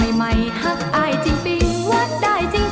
ใหม่ใหม่ฮักอายจิงปิงวัดได้จริง